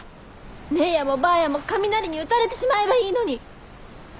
ねえやもばあやも雷に打たれてしまえばいいのに！